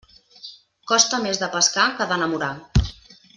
Costa més de pescar que d'enamorar.